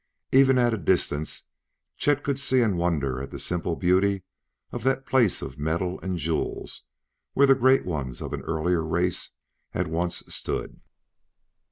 Even at a distance Chet could see and wonder at the simple beauty of that place of metals and jewels where the great ones of an earlier race had once stood.